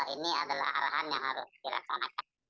ini adalah arahan yang harus dilaksanakan